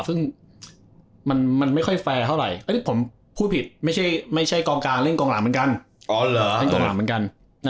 ซึ่งมันไม่ค่อยแฟร์เท่าไหร่ผมพูดผิดไม่ใช่กองกลางเล่นกองหลังเหมือนกัน